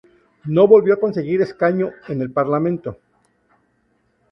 No volvió a conseguir escaño en el Parlamento.